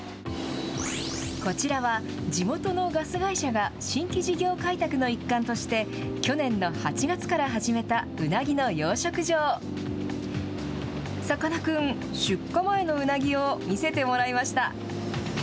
こちらは地元のガス会社が新規事業開拓の一環として去年の８月から始めたウナギの養殖場さかなクン、出荷前のウナギを見せてもらいました。